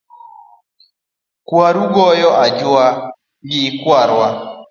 Kwaru goyo ajua gi kwarwa .